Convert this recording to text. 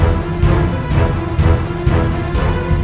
aku akan menang